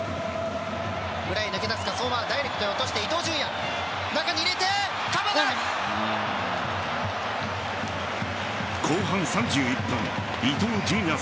裏へ抜け出すか、相馬ダイレクトに落として伊東純也。